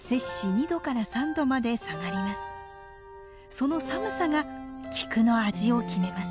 その寒さが菊の味を決めます。